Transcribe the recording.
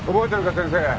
先生。